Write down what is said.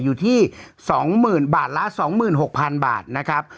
อยู่ที่๒๐๐๐บาทละ๒๖๐๐๐บาทนะครับ